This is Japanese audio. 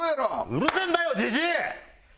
うるせえんだよジジイ！